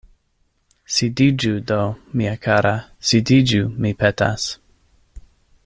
Sidiĝu do, mia kara, sidiĝu, mi petas!